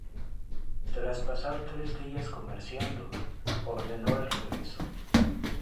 Tras pasar tres días comerciando, ordenó el regreso.